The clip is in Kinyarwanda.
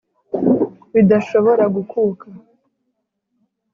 bidashobora gukuka